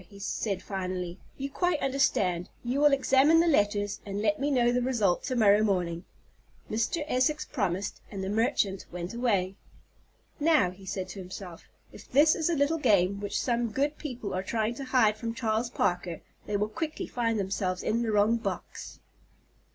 he said finally, "you quite understand. You will examine the letters, and let me know the result to morrow morning." Mr. Essex promised, and the merchant went away. "Now," he said to himself, "if this is a little game which some good people are trying to hide from Charles Parker they will quickly find themselves in the wrong box."